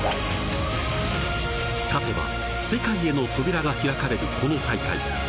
勝てば世界への扉が開かれるこの大会